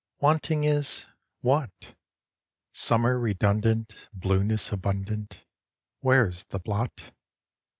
Wanting is what? Summer redundant, Blueness abundant, Where is the blot?